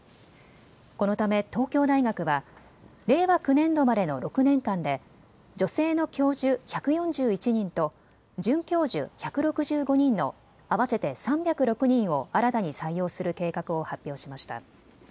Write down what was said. このため東京大学は令和９年度までの６年間で、女性の教授１４１人と准教授１６５人の合わせて３０６人を新たに採用する計画を発表しました。